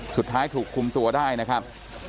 สุดท้ายถูกคุมตัวได้นะครับ